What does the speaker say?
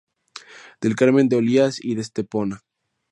Del Carmen de Olías y de Estepona.